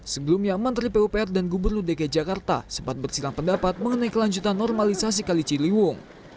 sebelumnya menteri pupr dan gubernur dki jakarta sempat bersilang pendapat mengenai kelanjutan normalisasi kali ciliwung